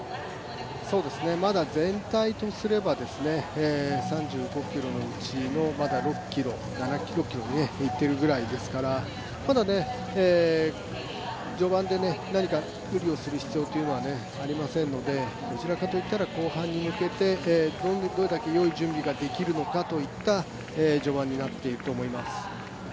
まだ全体とすれば、３５ｋｍのうちのまだ６ｋｍ、７ｋｍを行っているぐらいですから序盤で何か無理をする必要はありませんのでどちらかといったら後半に向けて、どれだけよい準備をできるのかという序盤になっていくと思います。